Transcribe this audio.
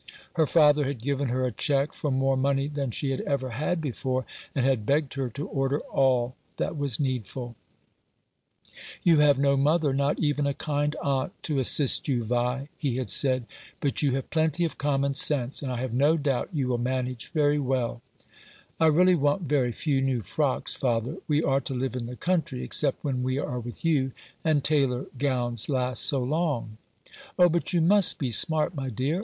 Her father had given her a cheque for more money than she had ever had before, and had begged her to order all that was needful. "You have no mother — not even a kind aunt to assist you, Vi," he had said, " but you have 296 For the Happiness of the Greatest Number. plenty of common sense, and I have no doubt you will manage very well." " I really want very few new frocks, father. We are to live in the country, except when we are with you, and tailor gowns last so long." "Oh, but you must be smart, my dear.